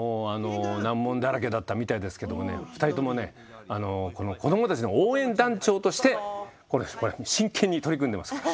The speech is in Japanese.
難問だらけだったみたいですが２人とも、子どもたちの応援団長として真剣に取り組んでいます。